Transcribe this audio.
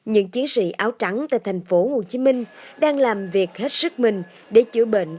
những chiến sĩ áo trắng tại thành phố hồ chí minh đang làm việc hết sức mình để chữa bệnh